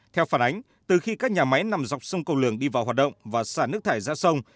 theo phản ánh từ khi các nhà máy nằm dọc sông cầu lường đi vào hoạt động và xả nước thải ra sông